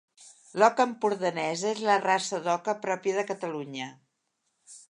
L'oca empordanesa és la raça d'oca pròpia de Catalunya.